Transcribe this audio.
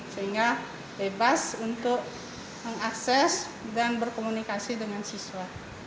sehingga bebas untuk mengakses dan berkomunikasi dengan siswa